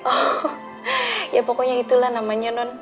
oh ya pokoknya itulah namanya non